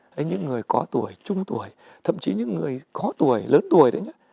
đấy những người có tuổi trung tuổi thậm chí những người có tuổi lớn tuổi đấy nhé